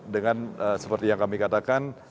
dengan seperti yang kami katakan